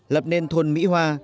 lập nên thôn mỹ hoa